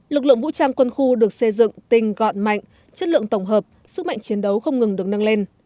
lực lượng vũ trang quân khu được xây dựng tinh gọn mạnh chất lượng tổng hợp sức mạnh chiến đấu không ngừng được nâng lên